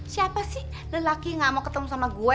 siapa sih lelaki gak mau ketemu sama gue